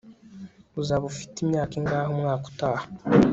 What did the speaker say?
uzaba ufite imyaka ingahe umwaka utaha